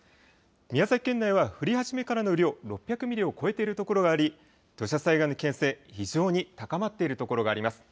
宮崎県内は降り始めからの雨量、６００ミリを超えてる所があり、土砂災害の危険性、非常に高まっている所があります。